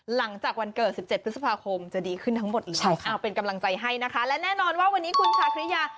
หลังจากวันเกิด๑๗พฤษภาคมจะดีขึ้นทั้งหมดเลยเป็นกำลังใจให้นะคะและแน่นอนว่าวันนี้คุณชาคริยา